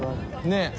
ねえ。